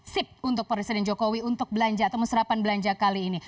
sip untuk presiden jokowi untuk belanja atau serapan belanja kali ini